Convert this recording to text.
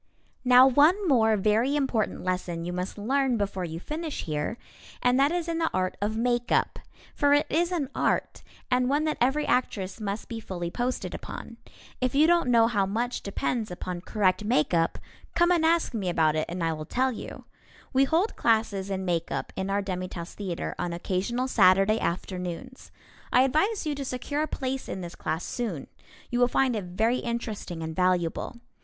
Now one more very important lesson you must learn before you finish here, and that is in the art of makeup. For it is an art, and one that every actress must be fully posted upon. If you don't know how much depends upon correct makeup, come and ask me about it and I will tell you. We hold classes in makeup in our Demi Tasse Theatre on occasional Saturday afternoons. I advise you to secure a place in this class soon. You will find it very interesting and valuable.